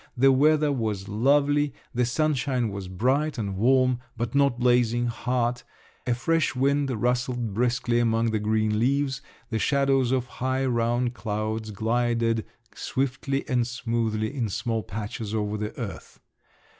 The weather was lovely; the sunshine was bright and warm, but not blazing hot; a fresh wind rustled briskly among the green leaves; the shadows of high, round clouds glided swiftly and smoothly in small patches over the earth.